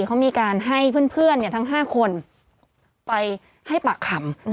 เขามีการให้เพื่อนทั้ง๕คนไปให้ปากคำ